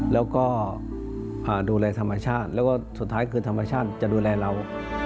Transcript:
แล้วก็ดูแลธรรมชาติแล้วก็สุดท้ายคือธรรมชาติจะดูแลเรา